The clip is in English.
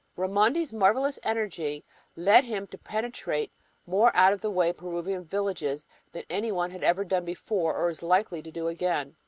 Raimondi's marvelous energy led him to penetrate to more out of the way Peruvian villages than any one had ever done before or is likely to do again.